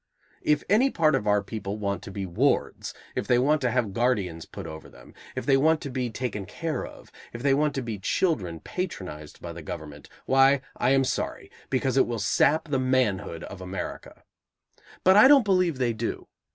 If any part of our people want to be wards, if they want to have guardians put over them, if they want to be taken care of, if they want to be children, patronized by the government, why, I am sorry, because it will sap the manhood of America. But I don't believe they do.